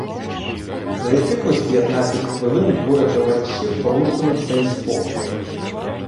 За якихось п'ятнадцять хвилин двоє товаришів порушили цей спокій.